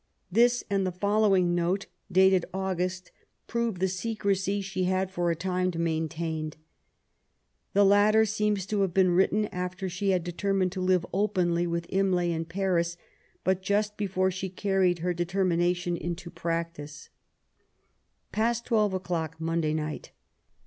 This and the follow ing note, dated August, prove the secrecy she had for a time maintained. The latter seems to have been written after she had determined to live openly with Imlay in Paris, but just before she carried her deter mination into practice :— Past Twelve o'clock, Monday night.